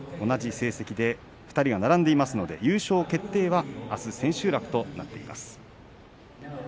同じ成績で２人が並んでいますので優勝決定はあす千秋楽となっています。